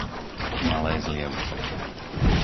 Malé Zlievce